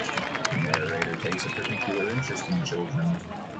The narrator takes particular interest in the children.